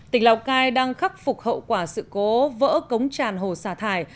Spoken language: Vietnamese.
tỉnh lào cai đang khắc phục hậu quả sự cố vỡ cống tràn hồ xả thải